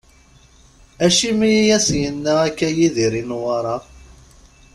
Acimi i as-yenna akka Yidir i Newwara?